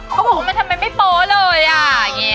ก็บอกว่าทำไมไม่โป๊เลยอะอย่างเงี้ย